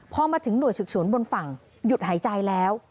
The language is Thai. พอมาถึงหน่วยสืบสวนบนฝั่งหยุดหายใจแล้ว